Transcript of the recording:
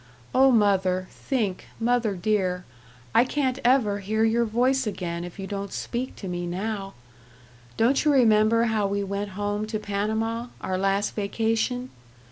Oh, mother, think, mother dear, I can't ever hear your voice again if you don't speak to me now.... Don't you remember how we went home to Panama, our last vacation?